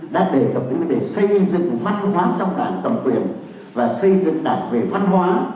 đã đề cập đến vấn đề xây dựng văn hóa trong đảng cầm quyền và xây dựng đảng về văn hóa